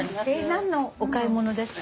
何のお買い物ですか？